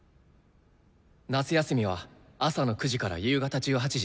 夏休みは朝の９時から夕方１８時。